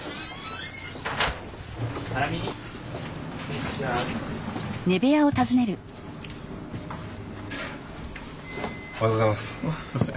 おはようございます。